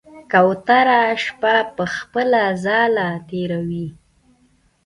کوتره شپه په خپل ځاله تېروي.